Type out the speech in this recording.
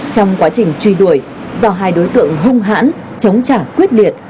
trong quá trình truy đuổi do hai đối tượng hung hãn chống trả quyết liệt